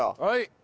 はい。